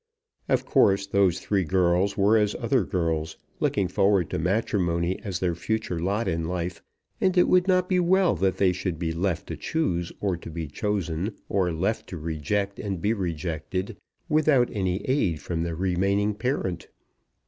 Of course those three girls were as other girls, looking forward to matrimony as their future lot in life, and it would not be well that they should be left to choose or to be chosen, or left to reject and be rejected, without any aid from their remaining parent.